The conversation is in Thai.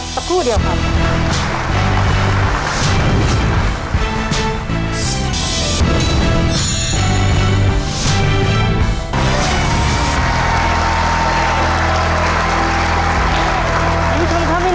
สักครู่เดียวครับ